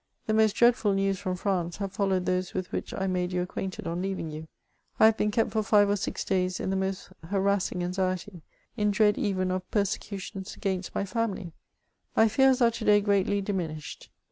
The most dreadful news from France have followed those with which I made you ac quainted on leaving you. I have been kept for five or six days in the most harassing anxiety ;— ^in dread even of persecutions agunst my family. My fears are to day greatly diminished.